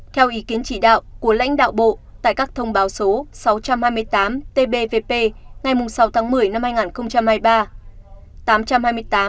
theo ý kiến chỉ đạo của lãnh đạo bộ tại các thông báo số sáu trăm hai mươi tám tbp ngày sáu tháng một mươi năm hai nghìn hai mươi ba